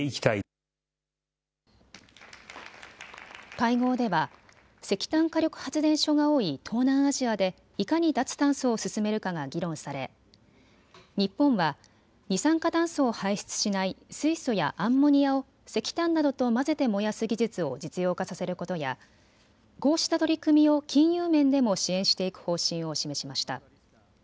会合では石炭火力発電所が多い東南アジアでいかに脱炭素を進めるかが議論され日本は二酸化炭素を排出しない水素やアンモニアを石炭などと混ぜて燃やす技術を実用化させることやこうした取り組みを金融面でも支援していく方針を示しました。